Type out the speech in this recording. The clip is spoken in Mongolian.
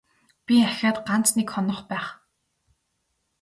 Би ахиад ганц нэг хонох байх.